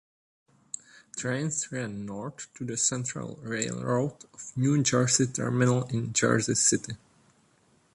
Trains ran north to the Central Railroad of New Jersey Terminal in Jersey City.